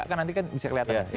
kan nanti kan bisa kelihatan